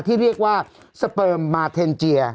ที่เรียกว่าสเปิมมาเทนเจีย